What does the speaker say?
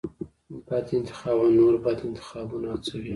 بد انتخابونه نور بد انتخابونه هڅوي.